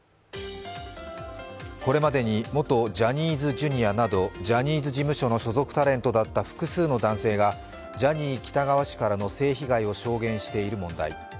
これまでに元ジャニーズＪｒ．などジャニーズ事務所の所属タレントだった複数の男性がジャニー喜多川氏からの性被害を証言している問題。